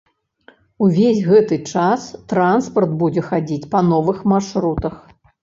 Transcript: Увесь гэты час транспарт будзе хадзіць па новых маршрутах.